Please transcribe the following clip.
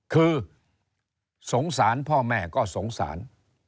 คือสงสารพ่อแม่ก็สงสาร